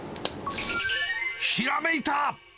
ひらめいた。